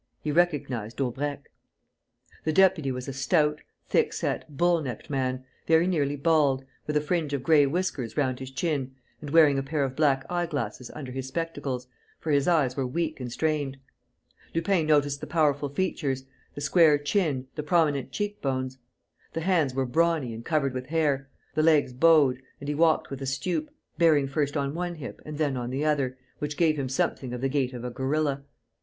He recognized Daubrecq. The deputy was a stout, thickset, bull necked man, very nearly bald, with a fringe of gray whiskers round his chin and wearing a pair of black eye glasses under his spectacles, for his eyes were weak and strained. Lupin noticed the powerful features, the square chin, the prominent cheek bones. The hands were brawny and covered with hair, the legs bowed; and he walked with a stoop, bearing first on one hip and then on the other, which gave him something of the gait of a gorilla.